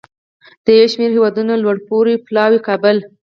د یو شمیر هیوادونو لوړپوړو پلاوو کابل